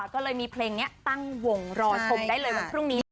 ก็เลยมีเพลงนี้ตั้งวงรอชมได้เลยวันพรุ่งนี้